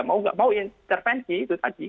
mau nggak mau intervensi itu tadi